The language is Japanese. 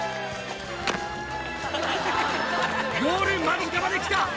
ゴール間近まで来た！